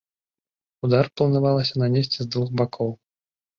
Удар планавалася нанесці з двух бакоў.